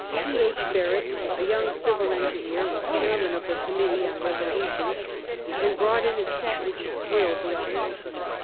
T. H. Barrett, a young civil engineer, was chairman of the committee on resolutions, and brought in a set which thrilled the audience.